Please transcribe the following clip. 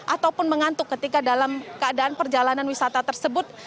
ataupun mengantuk ketika dalam keadaan perjalanan wisata tersebut